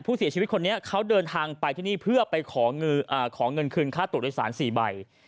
ผู้เสียชีวิตคนนี้เขาเดินทางไปที่นี่เพื่อไปขอเงินคืนค่าตัวโดยสาร๔ใบ